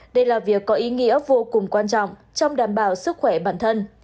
đây là việc có ý nghĩa vô cùng quan trọng trong đảm bảo sức khỏe bản thân